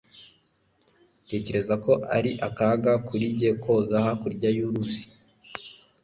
uratekereza ko ari akaga kuri njye koga hakurya y'uruzi